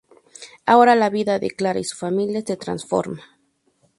Ahora la vida de "Clara" y su familia se transforma.